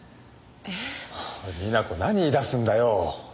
美奈子何言い出すんだよ。